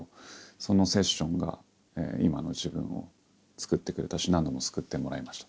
そのセッションが今の自分をつくってくれたし何度も救ってもらいました